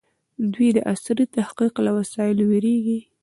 دوی د عصري تحقيق له وسایلو وېرېږي.